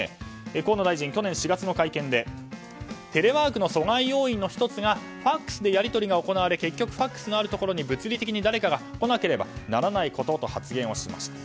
河野大臣、去年４月の会見でテレワークの阻害要因の１つがＦＡＸでやり取りが行われ結局ＦＡＸのあるところに物理的に誰かが来なければならないことと発言をしました。